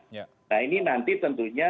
nah ini nanti tentunya